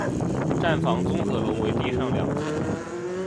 站房综合楼为地上两层。